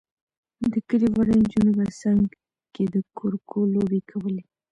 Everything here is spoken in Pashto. د کلي وړو نجونو به څنګ کې د کورکو لوبې کولې.